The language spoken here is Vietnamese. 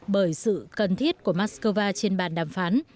bởi sự cần thiết của moscow trên bàn đàm phán